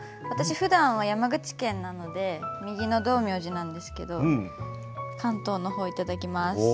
私ふだんは山口県なので右の道明寺なんですけど関東の方をいただきます。